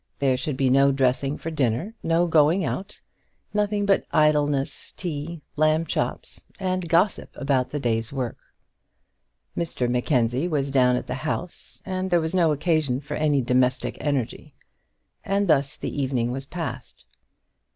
There should be no dressing for dinner, no going out, nothing but idleness, tea, lamb chops, and gossip about the day's work. Mr Mackenzie was down at the House, and there was no occasion for any domestic energy. And thus the evening was passed.